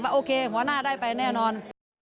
โอเคหัวหน้าได้ไปแน่นอน